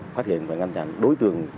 phát hiện và ngăn chặn đối tượng